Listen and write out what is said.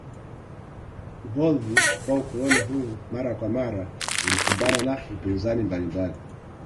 Kuhodhi kwa ukoloni huu mara kwa mara ulikumbana na upinzani mbalimbali